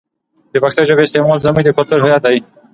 د پښتو ژبې استعمال زموږ د کلتور هویت دی.